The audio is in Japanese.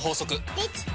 できた！